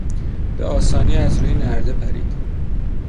به آسانی از روی نرده پرید.